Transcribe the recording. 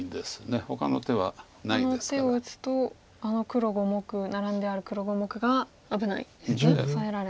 この手を打つとあの黒５目ナラんである黒５目が危ないんですねオサえられて。